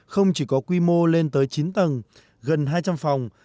không chỉ có quy mô lên tới chín tầng gần hai trăm linh phòng